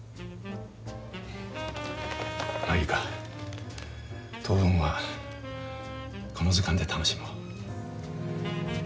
まあいいか当分はこの図鑑で楽しもう。